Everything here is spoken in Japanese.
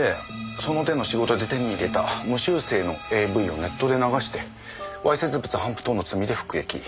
その手の仕事で手に入れた無修正のＡＶをネットで流して猥褻物頒布等の罪で服役。